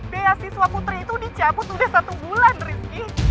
beasiswa putri itu dicabut udah satu bulan rizky